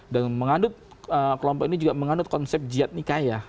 dan mengandung kelompok ini juga mengandung konsep jihad nikayah